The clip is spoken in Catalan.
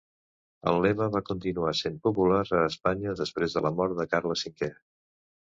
El lema va continuar sent popular a Espanya després de la mort de Carles V.